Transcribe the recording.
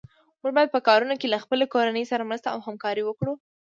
موږ باید په کارونو کې له خپلې کورنۍ سره مرسته او همکاري وکړو.